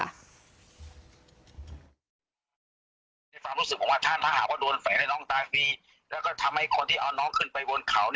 แม่ยังคงมั่นใจและก็มีความหวังในการทำงานของเจ้าหน้าที่ตำรวจค่ะ